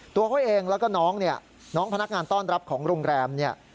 ตัวเขาเองแล้วก็น้องเนี่ยน้องพนักงานต้อนรับของโรงแรมเนี่ย